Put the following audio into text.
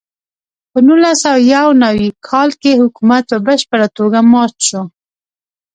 په نولس سوه یو نوي کال کې حکومت په بشپړه توګه مات شو.